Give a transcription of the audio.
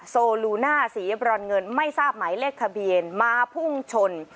โซลูน่าสีบรอนเงินไม่ทราบหมายเลขทะเบียนมาพุ่งชน